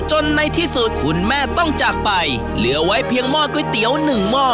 ในที่สุดคุณแม่ต้องจากไปเหลือไว้เพียงหม้อก๋วยเตี๋ยวหนึ่งหม้อ